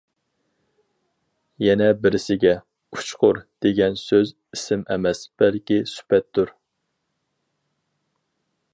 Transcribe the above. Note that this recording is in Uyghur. يەنە بىرسىگە، «ئۇچقۇر» دېگەن سۆز ئىسىم ئەمەس، بەلكى سۈپەتتۇر.